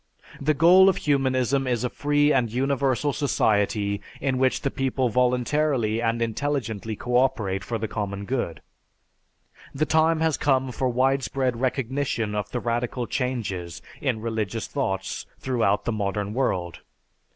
"The goal of humanism is a free and universal society in which the people voluntarily and intelligently cooperate for the common good. "The time has come for widespread recognition of the radical changes in religious thoughts throughout the modern world.